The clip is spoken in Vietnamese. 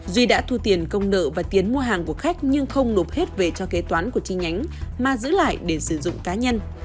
duy đã thu tiền công nợ và tiền mua hàng của khách nhưng không nộp hết về cho kế toán của chi nhánh mà giữ lại để sử dụng cá nhân